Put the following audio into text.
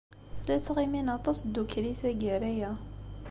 La ttɣimin aṭas ddukkli tagara-a.